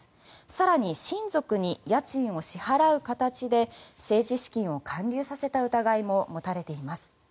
更に、親族に家賃を支払う形で政治資金を還流させた疑いも持たれています。